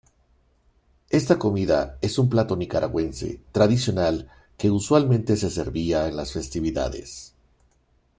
Esta comida es un plato nicaragüense tradicional que usualmente se servía en las festividades.